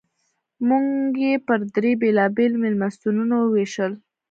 موږ یې پر درې بېلابېلو مېلمستونونو ووېشل.